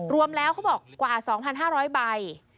รวมแล้วเขาบอกกว่า๒๕๐๐ใบ